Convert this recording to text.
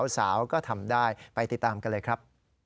สาวก็ทำได้ไปติดตามกันเลยครับ